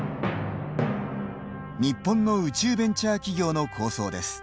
日本の宇宙ベンチャー企業の構想です。